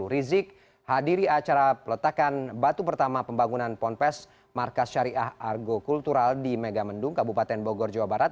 rizik hadiri acara peletakan batu pertama pembangunan ponpes markas syariah argo kultural di megamendung kabupaten bogor jawa barat